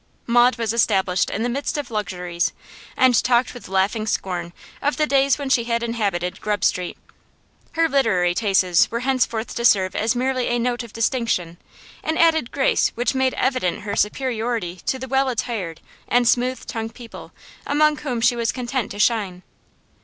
Maud was established in the midst of luxuries, and talked with laughing scorn of the days when she inhabited Grub Street; her literary tastes were henceforth to serve as merely a note of distinction, an added grace which made evident her superiority to the well attired and smooth tongued people among whom she was content to shine.